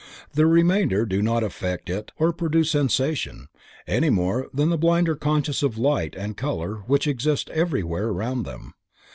The remainder do not affect it or produce sensation, any more than the blind are conscious of light and color which exist everywhere around them.